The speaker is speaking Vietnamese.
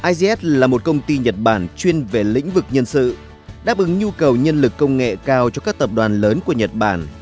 izs là một công ty nhật bản chuyên về lĩnh vực nhân sự đáp ứng nhu cầu nhân lực công nghệ cao cho các tập đoàn lớn của nhật bản